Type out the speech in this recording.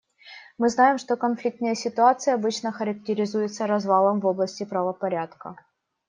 Мы знаем, что конфликтные ситуации обычно характеризуются развалом в области правопорядка.